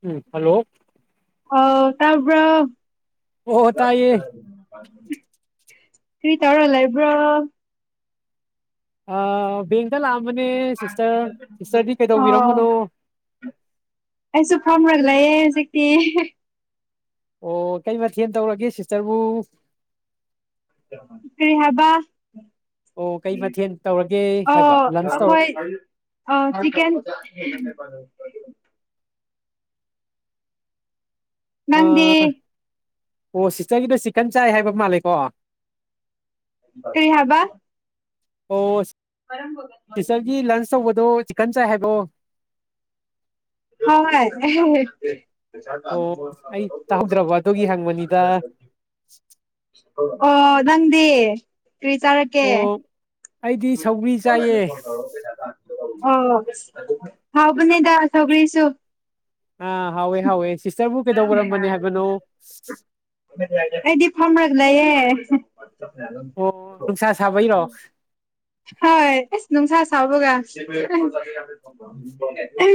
ꯎꯝ hello ꯑ ꯇꯥꯕ꯭ꯔ ꯑꯣ ꯑꯣ ꯇꯥꯏꯌꯦ ꯁꯤꯔꯤ ꯇꯧꯔꯂ ꯂꯩꯕ꯭ꯔꯣ ꯑ ꯕꯦꯡ ꯍꯗ ꯂꯥꯛꯑꯝꯕꯅꯦ ꯁꯤꯁꯇꯔ ꯁꯤꯁꯇꯔꯗꯤ ꯑꯣ ꯀꯩꯗꯧꯕꯤꯔꯝꯕꯅꯣ ꯑꯩꯁꯨ ꯐꯝꯃꯒ ꯂꯩꯌꯦ ꯍꯧꯖꯤꯛꯇꯤ ꯑꯣ ꯀꯩ ꯃꯊꯦꯜ ꯇꯧꯔꯒꯦ ꯁꯤꯁꯇꯔꯕꯨ ꯀꯔꯤ ꯍꯥꯏꯕ ꯑꯣ ꯀꯩ ꯃꯊꯦꯜ ꯇꯧꯔꯒꯦ ꯑ ꯍꯥꯏꯕ ꯂꯟꯁ ꯇꯧꯔ ꯑꯈꯣꯏ ꯑ ꯆꯤꯀꯟ ꯅꯪꯗꯤ ꯑꯣ ꯁꯤꯁꯇꯔꯒꯤꯗ ꯆꯤꯛꯀꯟ ꯆꯥꯏ ꯍꯥꯏꯕ ꯃꯥꯜꯂꯦꯀꯣ ꯀꯔꯤ ꯍꯥꯏꯕ ꯑꯣ ꯁꯤꯁꯇꯔꯒꯤ ꯂꯟꯁ ꯇꯧꯕꯗꯣ ꯆꯤꯀꯟ ꯆꯥꯢ ꯍꯥꯏꯕ ꯑꯣ ꯍꯣꯢ ꯑꯍ ꯑꯣ ꯑꯩ ꯇꯥꯍꯧꯗ꯭ꯔꯕ ꯑꯗꯨꯒꯤ ꯍꯪꯕꯅꯤꯗ ꯑꯣ ꯅꯪꯗꯤ ꯀꯔꯤ ꯆꯥꯔꯛꯀꯦ ꯑꯣ ꯑꯩꯗꯤ ꯐꯣ ꯁꯧꯒ꯭ꯔꯤ ꯆꯥꯏꯌꯦ ꯍꯥꯎꯕꯅꯦꯗ ꯁꯧꯒꯔꯤꯁꯨ ꯑꯥ ꯍꯥꯎꯋꯦ ꯍꯥꯎꯋꯦ ꯁꯤꯁꯇꯔꯕꯨ ꯀꯩꯗꯧꯔꯝꯕꯅ‌ꯦ ꯍꯥꯏꯕꯅꯣ ꯑꯩꯗꯤ ꯐꯝꯔꯒ ꯂꯩꯌꯦ ꯑꯣ ꯅꯨꯡꯁꯥ ꯁꯥꯕꯩꯔꯣ ꯍꯣꯏ ꯑꯦꯁ ꯅꯨꯡꯁꯥ ꯁꯥꯕꯒ ꯑꯍꯥꯝ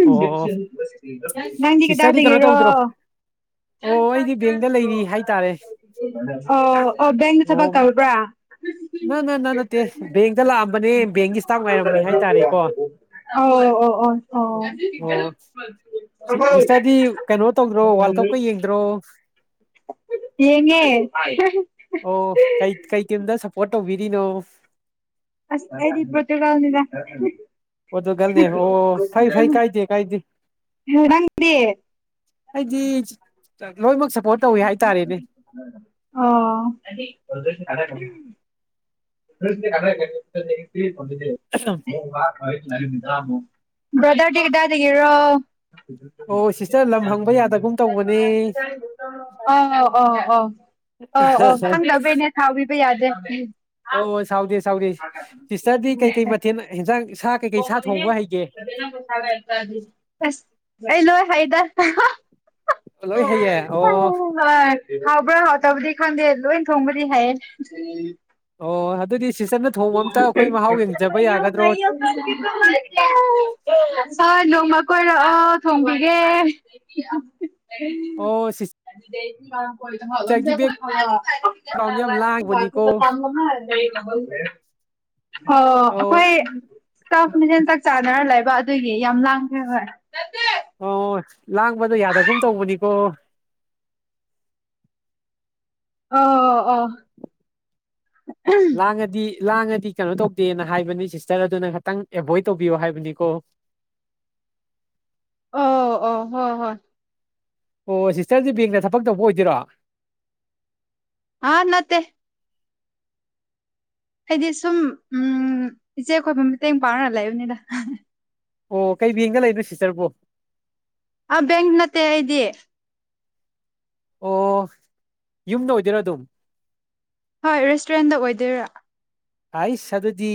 ꯑꯣ ꯅꯪꯗꯤ ꯁꯤꯁꯇꯔꯗꯤ ꯀꯩꯅꯣ ꯀꯗꯥꯏꯗꯩꯔꫭ ꯇꯧꯗ꯭ꯔꯣ ꯑꯣ ꯑꯩꯗꯤ ꯕꯦꯡꯗ ꯂꯩꯔꯤ ꯍꯥꯏꯇꯥꯔꯦ ꯑꯣ ꯑꯣ ꯕꯦꯡ ꯇ ꯊꯕꯛ ꯑꯣ ꯇꯧꯕ꯭ꯔꯥ ꯅ ꯅ ꯅ ꯅꯠꯇꯦ ꯕꯦꯡꯇ ꯂꯥꯛꯑꯝꯕꯅꯦ ꯕꯦꯡꯒꯤ ꯏꯁꯇꯥꯐ ꯉꯥꯏꯔꯝꯃꯤ ꯍꯥꯏꯇꯥꯔꯦꯀꯣ ꯑꯣ ꯑꯣ ꯑꯣ ꯑꯣ ꯑꯣ ꯁꯤꯁꯇꯔꯗꯤ ꯀꯩꯅꯣ ꯇꯧꯗ꯭ꯔꯣ ꯋꯥꯔꯜ ꯀꯞꯀ ꯌꯦꯡꯗ꯭ꯔꯣ ꯌꯦꯡꯉꯦ ꯑꯣ ꯀꯩ ꯀꯩ ꯇꯤꯝꯗ ꯁꯄꯣꯠ ꯇꯧꯕꯤꯔꯤꯅꯣ ꯑꯁ ꯑꯩꯗꯤ ꯄ꯭ꯔꯣꯇꯨ ꯒꯜꯅꯤꯗ ꯄꯣꯔꯇꯨꯒꯜꯅꯦ ꯑꯣ ꯐꯩ ꯐꯩ ꯀꯥꯏꯗꯦ ꯀꯥꯏꯗꯦ ꯍꯥ ꯅꯪꯗꯤ ꯑꯩꯗꯤ ꯂꯣꯏꯅꯃꯛ ꯁꯞꯄꯣꯔꯠ ꯇꯧꯋꯤ ꯍꯥꯏꯇꯥꯔꯦꯅꯦ ꯑꫭ [unintelligible] ꯕꫪꯗꯔꯗꯤ ꯀꯗꯥꯏꯗꯥꯒꯤꯔꯣ ꯑꯣ ꯁꯤꯁꯇꯔ ꯂꯝ ꯍꯪꯕ ꯌꯥꯗꯒꯨꯝ ꯇꯧꯕꯅꯦ ꯑꯥ ꯑꫭ ꯑꫭ ꯑꫭ ꯑꯣ ꯈꯪꯗꯥꯕꯩꯅꯦ ꯁꯥꯎꯕꯤꯕ ꯌꯥꯗꯦ ꯑꯣ ꯁꯥꯎꯗꯦ ꯁꯥꯎꯗꯦ ꯁꯤꯁꯇꯔꯗꯤ ꯀꯩꯀꯩ ꯃꯊꯦꯜ ꯍꯦꯟꯖꯥꯡ ꯑꯁ ꯑꯩ ꯂꯣꯏ ꯍꯩꯗ ꯂꯣꯏ ꯍꯩꯌꯦ ꯍꯣꯏ ꯑꯣ ꯍꯥꯎꯕ꯭ꯔꯥ ꯍꯥꯎ ꯇꯕ꯭ꫪꯥꯗꯤ ꯈꯪꯗꯦ ꯂꯣꯏ ꯊꯣꯡꯕꯗꯤ ꯍꯩꯌꯦ ꯑꯣ ꯗꯨꯗꯤ ꯌꯥꯒꯗ꯭ꯔꯣ [unintelligible] ꯅꯣꯡꯃꯥ ꯀꯣꯏꯔꯛꯑꯣ ꯊꯣꯡꯕꯤꯒꯦ ꯑꯣ ꯁꯤꯁꯇꯔꯒꯤ ꯕꯦꯛꯒ꯭ꯔꯥꯎꯟ ꯌꯥꯝ ꯂꯥꯡꯕꯅꯤꯀꯣ [unintelligible] ꯑꯣ ꯑꯧ ꯑꯩꯈꯣꯏ ꯏꯁꯇꯥꯐ ꯃꯁꯦꯟ ꯆꯥꯛ ꯆꯥꯟꯅꯥꯔ ꯂꯩꯕ ꯑꯗꯨꯒꯤ ꯌꯥꯝ ꯂꯥꯡꯉ‌ꯦꯕ ꯑꯣ ꯂꯥꯡꯕꯗꯣ ꯌꯥꯗꯒꯨꯝ ꯇꯧꯕꯅꯤꯀꯣ ꯑꫭ ꯑꯣ ꯂꯥꯡꯉꯥꯗꯤ ꯂꯥꯡꯉꯥꯗꯤ ꯀꯩꯅꯣ ꯇꯧꯗꯦꯅ ꯍꯥꯏꯕꯅꯤ ꯁꯤꯁꯇꯔ ꯑꯗꯨꯅ ꯈꯤꯇꯪ ꯑꯦꯚꯣꯏꯠ ꯇꯧꯕꯤꯌꯣ ꯍꯥꯏꯕꯅꯤꯀꯣ ꯑꯣ ꯑꯣ ꯍꯣꯏ ꯍꯣꯏ ꯑꯣ ꯁꯤꯁꯇꯔꯗꯤ ꯕꯦꯡꯗ ꯊꯕꯛ ꯇꯧꯕ ꯑꯣꯏꯗꯣꯏꯔꯣ ꯑꯥ ꯅꯠꯇꯦ ꯑꯩꯗꯤ ꯁꯨꯝ ꯏꯆꯦ ꯈꯣꯏꯕꯨ ꯃꯇꯦꯡ ꯄꯥꯡꯉꯥ ꯂꯩꯕꯅꯤꯗ ꯑꯣ ꯀꯩ ꯕ‌ꯦꯡꯗ ꯂꯩꯅꯣ ꯁꯤꯁꯇꯔꯕꫭ ꯑꯥ ꯕꯦꯡ ꯅꯠꯇꯦ ꯑꯩꯗꯤ ꯑꯣ ꯌꯨꯝꯗ ꯑꯣꯏꯗꯣꯏꯔꯣ ꯑꯗꯨꯝ ꯍꯣꯏ ꯔꯦꯁꯇꯨꯔꯦꯟꯗ ꯑꯣꯏꯗꯣꯏꯔꯥ ꯍꯥꯏꯁ ꯑꯗꯨꯗꯤ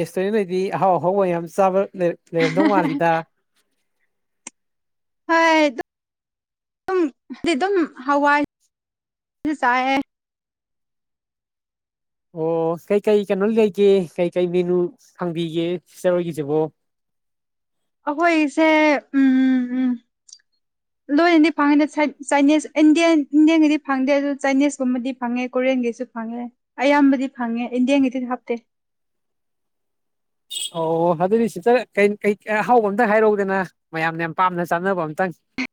ꯔꯦꯁꯇꯨꯔꯦꯟꯗ ꯂꯩꯏꯗꯤ ꯑꯍꯥꯎ ꯑꯍꯥꯎꯕ ꯌꯥꯝ ꯆꯥꯕ ꯂꯩ ꯂꯩꯔꯝꯗꯧ ꯃꯜꯂꯤꯗ ꯀꯩꯏꯗ ꯑꯗꯨꯝ ꯍꯥꯏꯗꯤ ꯑꯗꯨꯝ ꯍꯋꯥꯏꯁꯨ ꯆꯥꯏꯑꯦ ꯑꯣ ꯀꯩꯀꯩ ꯀꯩꯅꯣ ꯂꯩꯒꯦ ꯀꯩꯀꯩ ꯃꯦꯅꯨ ꯐꯪꯕꯤꯒꯦ ꯁꯤꯁꯇꯔ ꯑꯣꯏꯒꯤꯁꯤꯕꯣ ꯑꯩꯈꯣꯏꯁꯦ ꯎꯝ ꯎꯝ ꯎꯝ ꯂꯣꯏꯅꯗꯤ ꯐꯪꯉꯦꯅꯤ ꯆꯥꯏꯅꯤꯁ ꯏꯟꯗꯤ ꯏꯟꯗꯤꯌꯒꯤꯗꯤ ꯐꯪꯗꯦ ꯑꯗꯨ ꯆꯥꯏꯅꯤꯁꯀꯨꯝꯕꯗꯤ ꯐꯪꯉꯦ ꯀꯣꯟꯒꯤꯁꯨ ꯐꯪꯉꯦ ꯑꯌꯥꯝꯕꯗꯤ ꯐꯪꯉꯦ ꯏꯟꯗꯤꯌꯥꯟꯒꯤꯗꯤ ꯍꯥꯞꯇꯦ ꯑꯣ ꯑꯗꯨꯗꯤ ꯁꯤꯇ ꯑꯍꯥꯎꯕ ꯑꯝꯇ ꯍꯥꯏꯔꯛꯎꯗꯅ ꯃꯌꯥꯝꯅ ꯌꯥꯝ ꯄꯥꯝꯅ ꯆꯥꯅꯕ ꯑꯝꯇꯪ [unintelligible]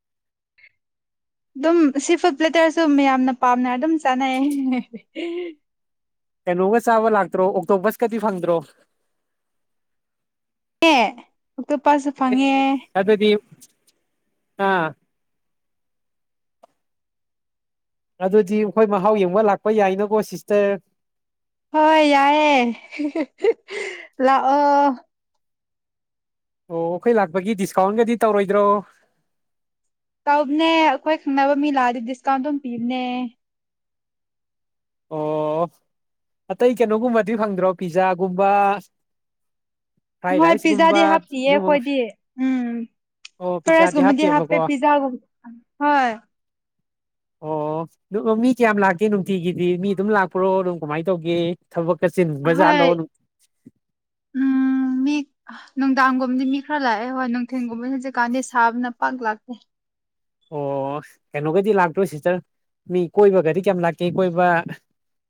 ꯑꯗꯨꯝ ꯁꯤ ꯐꯨꯗ ꯄ꯭ꯂꯦꯇꯔꯁꯨ ꯃꯌꯥꯝꯅ ꯄꯥꯝꯅ ꯑꯗꯨꯝ ꯆꯥꯅꯩ ꯀꯩꯅꯣꯒ ꯆꯥꯕ ꯂꯥꯛꯇ꯭ꯔꯣ ꯑꯣꯛꯇꯣꯕꯁꯀꯗꯤ ꯐꯪꯗ꯭ꯔꯣ ꯑꯦ ꯑꯇꯣꯞꯄꯁꯨ ꯐꯪꯉꯦ ꯑꯦꯁ ꯑꯗꯨꯗꯤ ꯑꯥ ꯑꯗꯨꯗꯤ ꯑꯩꯈꯣꯏ ꯃꯍꯥꯎ ꯌꯦꯡꯕ ꯂꯥꯛꯄ ꯌꯥꯏꯅꯀꯣ ꯁꯤꯁꯇꯔ ꯍꯣꯏ ꯌꯥꯏꯑꯦ ꯂꯥꯛꯑꯣ ꯑꯣ ꯑꯩꯈꯣꯏ ꯂꯥꯛꯄꯒꯤ ꯗꯤꯁꯀꯥꯎꯟꯒꯗꯤ ꯇꯧꯔꯣꯏꯗ꯭ꯔꯣ ꯇꯕꯅꯦ ꯑꯩꯈꯣꯏ ꯈꯪꯅꯕ ꯃꯤ ꯂꯥꯛꯑꯗꯤ ꯗꯤꯁꯀꯥꯎꯟ ꯑꯗꯨꯝ ꯄꯤꯕꯅꯦ ꯑꯣ ꯑꯇꯩ ꯀꯩꯅꯣꯒꯨꯝꯕꯗꯤ ꯐꯪꯗ꯭ꯔꯣ ꯄꯤꯖꯥꯒꯨꯝꯕ ꯐ꯭ꯔꯥꯏ ꯍꯣꯏ ꯔꯥꯏꯁꯀꯨꯝꯕ ꯄꯤꯖꯥꯗꯤ ꯍꯥꯞꯅꯤꯑꯌꯦ ꯑꯗꯨꯒꯨꯝꯕ ꯑꯩꯈꯣꯏꯗꯤ ꯎꯝ ꯑꯣ ꯄꯤꯖꯥꯗꯤ ꯄ꯭ꯔꯁꯒꯨꯝꯃꯗꯤ ꯍꯥꯞꯄꯦ ꯍꯥꯞꯇꯦꯕꯀꯣ ꯄꯤꯖꯥꯒꯨꯝ ꯍꯣꯏ ꯑꯣ ꯃꯤ ꯀꯌꯥꯝ ꯂꯥꯛꯀꯦ ꯅꯨꯡꯇꯤꯒꯤ ꯃꯤ ꯑꯗꯨꯝ ꯂꯥꯛꯄꯔꯣ ꯑꯗꯨꯝ ꯀꯃꯥꯏꯅ ꯇꯧꯒꯦ ꯊꯕꯛ ꯈꯔ ꯆꯤꯟꯕꯖꯥꯠꯂꯣ ꯍꯣꯏ ꯎꯝ ꯃꯤ ꯅꯨꯡꯗꯥꯡꯒꯨꯝꯕꯗꯤ ꯃꯤ ꯈꯔ ꯂꯥꯛꯑꯦ ꯍꯣꯏ ꯅꯨꯡꯊꯤꯟꯒꯨꯝꯕꯗꯤ ꯍꯧꯖꯤꯛꯀꯥꯟꯗꯤ ꯁꯥꯕꯅ ꯄꯥꯛ ꯂꯥꯛꯇꯦ ꯑꯣ ꯀꯩꯅꯣꯒꯗꯤ ꯂꯥꯛꯇꯣꯏ ꯁꯤꯇꯔ ꯃꯤ ꯀꯣꯏꯕꯒꯗꯤ ꯀꯌꯥꯝ ꯂꯥꯛꯀꯦ ꯀꯣꯏꯕ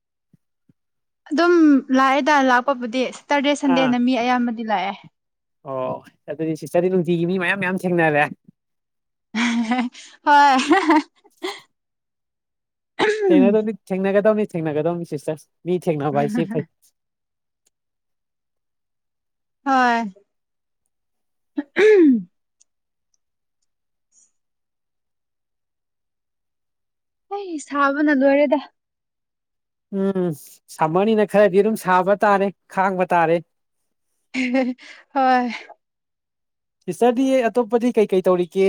[unintelligible] ꯑꯗꯨꯝ ꯂꯥꯛꯑꯦꯗ ꯂꯥꯛꯄꯕꯨꯗꯤ ꯁꯦꯇꯔꯗꯦ ꯑꯥ ꯁꯟꯗꯦꯅ ꯃꯤ ꯑꯌꯥꯝꯕꯗꯤ ꯂꯥꯛꯑꯦ ꯑꯣ ꯑꯗꯨꯗꯤ ꯁꯤꯇꯔꯗꯤ ꯅꯨꯡꯇꯤꯒꯤ ꯃꯤ ꯃꯌꯥꯝ ꯃꯌꯥꯝ ꯊꯦꯡꯅꯔꯦ ꯑ [unintelligible] ꯊꯦꯡꯅꯗꯅꯤ ꯊꯦꯡꯅꯒꯗꯕꯅꯤ ꯊꯦꯡꯅꯒꯗꯧꯅꯤ ꯁꯤꯁꯇꯔ ꯃꯤ ꯊꯦꯡꯅꯕ ꯍꯥꯏꯁꯤ ꯐꯩ ꯍꯣꯏ ꯑꯩ ꯁꯥꯕꯅ ꯂꯣꯏꯔꯦꯗ ꯎꯝ ꯁꯝꯃꯅꯤꯅ ꯈꯔꯗꯤ ꯑꯗꯨꯝ ꯁꯥꯕ ꯇꯥꯔꯦ ꯈꯥꯡꯕ ꯇꯥꯔꯦ ꯍꯣꯏ ꯇꯤꯆꯔꯗꯤ ꯑꯇꯣꯞꯄꯗꯤ ꯀꯩꯀꯩ ꯇꯧꯔꯤꯒꯦ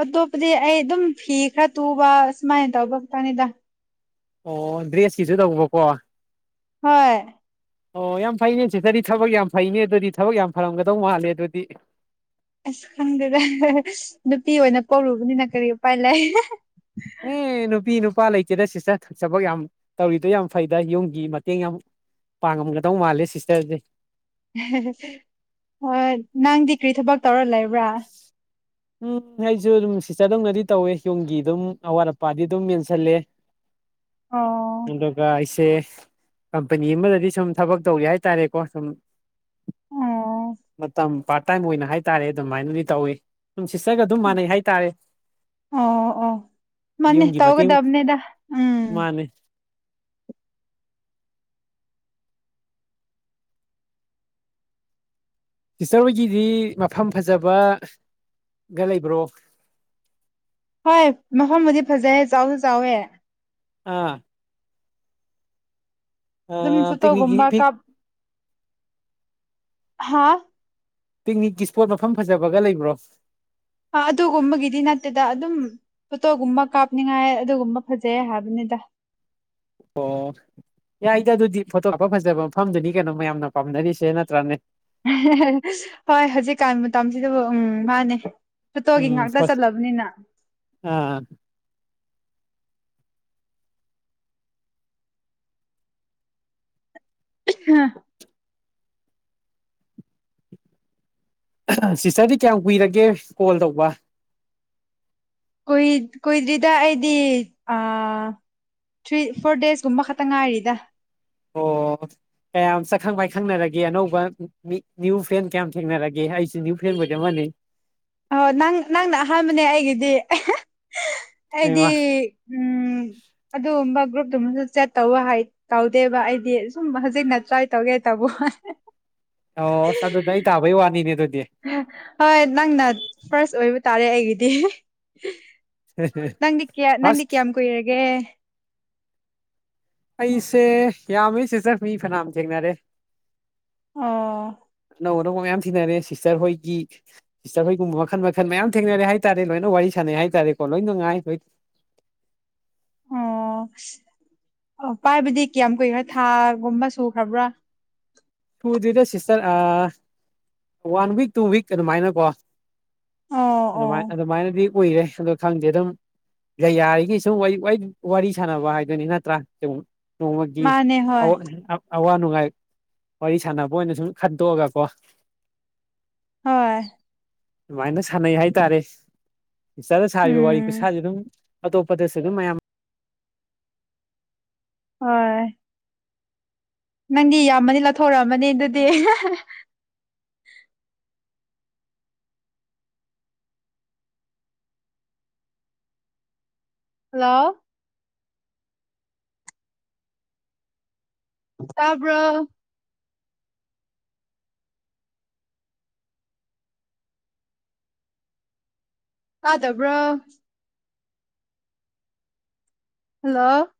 ꯑꯇꯣꯞꯄꯗꯤ ꯑꯩ ꯑꯗꯨꯝ ꯐꯤ ꯈꯔ ꯇꯨꯕ ꯁꯨꯃꯥꯏꯅ ꯇꯧꯕ ꯈꯛꯇꯅꯤꯗ ꯑꯣ ꯗ꯭ꯔꯦꯁꯀꯤꯁꯨ ꯇꯧꯕꯀꯣ ꯍꯣꯏ ꯑꯣ ꯌꯥꯝ ꯐꯩꯅꯦ ꯆꯤꯊꯗꯤ ꯊꯕꯛ ꯌꯥꯝ ꯐꯩꯅꯦ ꯑꯗꯨꯗꯤ ꯊꯕꯛ ꯌꯥꯝ ꯐꯔꯝꯒꯗꯧ ꯃꯥꯜꯂꯦ ꯑꯗꯨꯗꯤ ꯑꯁ ꯈꯪꯗꯦꯗ ꯅꯨꯄꯤ ꯑꯣꯏꯅ ꯀꯧꯔꯨꯕꯅꯤꯅ ꯀꯔꯤ ꯎꯄꯥꯏ ꯂꯩ ꯑꯦ ꯅꯨꯄꯤ ꯅꯨꯄꯤ ꯏꯄꯥ ꯂꯩꯇꯦꯗ ꯁꯤꯇꯔ ꯊ ꯆꯕꯛ ꯌꯥꯝ ꯇꯧꯔꯤꯗꯣ ꯌꯥꯝ ꯐꯩꯗ ꯌꯨꯝꯒꯤ ꯃꯇꯦꯡ ꯌꯥꯝ ꯄꯥꯡꯉꯝꯒꯗꯧ ꯃꯥꯜꯂꯦ ꯁꯤꯁꯇꯔꯁꯦ ꯅꯪꯗꯤ ꯀꯔꯤ ꯊꯕꯛ ꯇꯧꯔ ꯂꯩꯕ꯭ꯔꯥ ꯎꯝ ꯑꯩꯁꯨ ꯑꯗꯨꯝ ꯁꯤꯇꯔꯗꯧꯅꯗꯤ ꯇꯧꯋꯦ ꯌꯨꯝꯒꯤ ꯑꯗꯨꯝ ꯑꯋꯥꯠ ꯑꯄꯥꯗꯤ ꯑꯗꯨꯝ ꯃꯦꯟꯁꯜꯂꯦ ꯑꯣ ꯏꯁꯦ ꯀꯝꯄꯅꯤ ꯑꯃꯗꯗꯤ ꯁꯨꯝ ꯊꯕꯛ ꯇꯧꯒꯦ ꯍꯥꯏꯇꯥꯔꯦꯀꯣ ꯁꯨꯝ ꯑꯣ ꯃꯇꯝ ꯄꯥꯔꯠ ꯇꯥꯏꯝ ꯑꯣꯏꯅ ꯍꯥꯏꯇꯥꯔꯦ ꯑꯗꯨꯃꯥꯏꯅꯗꯤ ꯇꯧꯋꯤ ꯅꯨꯡꯁꯤꯠꯆꯒ ꯑꯗꯨꯝ ꯃꯥꯟꯅꯩ ꯍꯥꯏꯇꯥꯔꯦ ꯑꯣ ꯑꯣ ꯃꯥꯅꯦ ꯌꯨꯝꯖꯤꯃ ꯇꯧꯒꯗꯕꯅꯦꯗ ꯎꯝ ꯃꯥꯅꯦ ꯁꯤꯇꯔ ꯍꯣꯏꯒꯤꯗꯤ ꯃꯐꯝ ꯐꯖꯕ ꯒ ꯂꯩꯕ꯭ꯔꯣ ꯍꯣꯏ ꯃꯐꯝꯕꯨꯗꯤ ꯐꯖꯩꯑꯦ ꯆꯥꯎꯁꯨ ꯆꯥꯎꯋꯦ ꯑꯥ ꯑꯗꯨꯝ ꯄꯤꯛꯅꯤꯛꯀꯤ ꯐꯣꯠꯇꯣꯒꯨꯝꯕꯥ ꯄꯤꯛ ꯀꯞ ꯍꯥꯥ ꯄꯤꯛꯅꯤꯛꯀꯤ ꯏꯁꯄꯣꯠ ꯃꯐꯝ ꯐꯖꯕꯒ ꯂꯩꯕ꯭ꯔꯣ ꯑ ꯑꯗꯨꯒꯨꯝꯕꯒꯤꯗꯤ ꯅꯠꯇꯦꯗ ꯑꯗꯨꯝ ꯐꯣꯇꯣꯒꯨꯝꯕ ꯀꯥꯞꯅꯤꯡꯉꯥꯏ ꯑꯗꯨꯒꯨꯝꯕ ꯐꯖꯩ ꯍꯥꯏꯕꯅꯤꯗ [inaudible] ꯑꯣ ꯌꯥꯏꯗꯤ ꯑꯗꯨꯗꯤ ꯐꯣꯇꯣ ꯍꯥꯞꯄ ꯐꯖꯕ ꯃꯐꯝꯗꯨꯅꯤ ꯀꯩꯅꯣ ꯃꯌꯥꯝꯅ ꯄꯥꯝꯅꯔꯤꯁꯦ ꯅꯠꯇ꯭ꯔꯅꯦ ꯍꯣꯏ ꯍꯧꯖꯤꯛꯀꯥꯟ ꯃꯇꯝꯁꯤꯗꯕꯨ ꯎꯝ ꯃꯥꯅꯦ ꯐꯣꯇꯣꯒꯤ ꯎꯝ ꯉꯥꯛꯇ ꯍꯣꯏ ꯆꯠꯂꯕꯅꯤꯅ ꯑꯥ [unintelligible] ꯁꯤꯁꯇꯔꯗꯤ ꯀꯌꯥꯝ ꯀꯨꯏꯔꯒꯦ ꯀꯣꯜ ꯇꯧꯕ ꯀꯏ ꯀꯨꯏꯗ꯭ꯔꯤꯗ ꯑꯩꯗꯤ ꯑꯥ ꯊ꯭ꯔꯤ ꯐꯣꯔ ꯗꯦꯁꯀꯨꯝꯕ ꯈꯛꯇ ꯉꯥꯏꯔꯤꯗ ꯑꯣ ꯀꯌꯥꯝ ꯁꯛꯈꯪ ꯄꯥꯏꯈꯪꯅꯔꯒꯦ ꯑꯅꯧꯕ ꯅ꯭ꯌꯨ ꯐ꯭ꯔꯦꯟ ꯀꯌꯥꯝ ꯊꯦꯡꯅꯔꯒꯦ ꯑꯩꯁꯨ꯭ꯌ ꯐ ꯃꯖ ꯃꯅꯩ ꯑ ꯅꯪ ꯅꯪꯅ ꯑꯍꯥꯟꯕꯅꯦ ꯑꯩꯒꯤꯗꯤ ꯍꯥꯏꯗꯤ ꯍꯩꯃꯥ ꯎꯝ ꯑꯗꯨꯒꯨꯝꯕ ꯒ꯭ꯔꯨꯞ ꯁꯨꯝꯁꯨ ꯆꯦꯠ ꯇꯧ ꯇꯧꯗꯦꯕ ꯑꯩꯗꯤ ꯁꯨꯝ ꯍꯧꯖꯤꯛꯅ ꯇ꯭ꯔꯥꯏ ꯇꯧꯒꯦ ꯇꯕꯋꯥꯅꯦ ꯑꯣꯁ ꯑꯗꯨꯗꯤ ꯑꯩ ꯇꯥꯕꯩ ꯋꯥꯅꯤꯅꯦ ꯑꯗꯨ ꯍꯣꯏ ꯅꯪꯅ ꯐꯥꯔꯁ ꯑꯣꯏꯕ ꯇꯥꯔꯦ ꯑꯩꯒꯤꯗꯤ ꯅꯪꯗꯤ ꯀꯌꯥ ꯅꯪꯗꯤ ꯐꯥꯔꯁ ꯀꯌꯥꯝ ꯀꯨꯏꯔꯒꯦ ꯑꯩꯁꯦ ꯌꯥꯝꯃꯤ ꯁꯤꯁꯇꯔ ꯃꯤ ꯐꯅꯌꯥꯝ ꯊꯦꯡꯅꯔꯦ ꯑꯣ ꯑꯅꯧ ꯑꯅꯧꯕ ꯃꯌꯥꯝ ꯊꯦꯡꯅꯔꯦ ꯁꯤꯁꯇꯔ ꯍꯣꯏꯒꯤ ꯁꯤꯁꯇꯔ ꯍꯣꯏꯒꯨꯝꯕ ꯃꯈꯜ ꯃꯈꯜ ꯃꯌꯥꯝ ꯊꯦꯡꯅꯔꯦ ꯍꯥꯏ ꯇꯥꯔꯦ ꯂꯣꯏꯅ ꯋꯥꯔꯤ ꯁꯥꯟꯅꯦ ꯅꯦ ꯍꯥꯏ ꯇꯔꯦꯀꯣ ꯂꯣꯏꯅꯨꯡꯉꯥꯏꯣꯏ ꯑꯣ ꯑ ꯄꯥꯏꯕꯗꯤ ꯀꯌꯥꯝ ꯀꯨꯏꯈ꯭ꯔꯦ ꯊꯥꯒꯨꯝꯕ ꯁꯨꯈ꯭ꯔꯕ꯭ꯔꯥ ꯁꯨꯗꯔꯤꯗ sister one week two week ꯑꯗꯨꯃꯥꯏꯅꯀꯣ ꯑꯣ ꯑꯣ ꯑꯗꯨꯃꯥꯏ ꯑꯗꯨꯃꯥꯏꯅꯗꯤ ꯎꯏꯔꯦ ꯑꯣ ꯈꯪꯗꯦ ꯑꯗꯨꯝ ꯌꯥꯔꯤꯒꯤ ꯁꯨꯝ ꯋꯥꯔꯤ ꯁꯥꯟꯅꯕ ꯍꯥꯏꯗꯨꯣꯏꯅꯤ ꯅꯠꯇ꯭ꯔꯥ ꯃꯥꯅꯦ ꯑ ꯍꯣꯏ ꯑꯋꯥꯅꯅꯨꯡ ꯍꯥꯏ ꯋꯥꯔꯤ ꯁꯥꯟꯅꯕ ꯑꯣꯏꯅ ꯁꯨꯝ ꯈꯟꯗꯣꯛꯑꯒꯀꯣ ꯍꯣꯏ ꯑꯗꯨꯃꯥꯏꯅ ꯁꯥꯟꯅꯩ ꯍꯥꯏꯇꯥꯔꯦ ꯏꯆꯥꯗ ꯁꯥꯔꯤꯕ ꯋꯥꯔꯤ ꯎꯝ ꯈꯨꯠꯁꯥꯥꯁꯦ ꯑꯗꯨꯝ ꯑꯇꯣꯞꯄꯗꯁꯨ ꯑꯗꯨꯝ ꯃꯌꯥꯝ ꯍꯣꯏ ꯅꯪꯗꯤ ꯌꯥꯝꯃꯅꯤ ꯂꯧꯊꯣꯔꯛꯑꯃꯅꯤ ꯑꯗꯨꯗꯤ ꯍꯜꯂꯣ ꯇꯥꯕꯔꯣ ꯇꯥꯗꯕ꯭ꯔꯣ ꯍꯜꯂꯣ